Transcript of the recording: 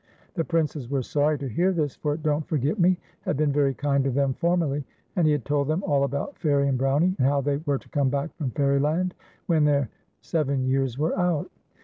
The Princes were sorry to hear this, for Don't Forget Me had been ver\' kind to them formerly, and he had told them all about Fairie and Brownie, and how they were to come back from Fairyland when their seven years were out.